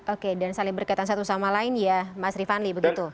oke dan saling berkaitan satu sama lain ya mas rifanli begitu